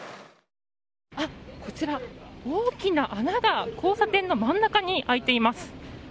こちら、大きな穴が交差点の真ん中に開いています。